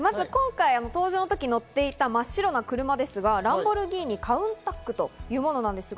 登場の時に乗っていた真っ白な車ですが、ランボルギーニ・カウンタックというものです。